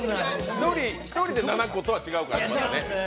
１人で７個とは違うから、またね。